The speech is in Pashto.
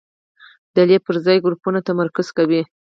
ډلې پر ځای ګروپونو تمرکز کوي.